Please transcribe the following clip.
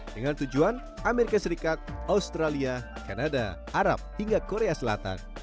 dengan tujuan amerika serikat australia kanada arab hingga korea selatan